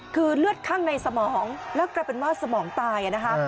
คือเลือดข้างในสมองแล้วกลายเป็นว่าสมองตายนะคะ